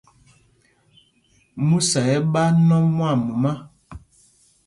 Músa ɛ́ ɛ́ ɓá nɔm mumá.